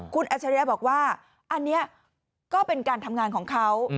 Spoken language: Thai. คุณอัชริยะบอกว่าอันนี้ก็เป็นการทำงานของเขา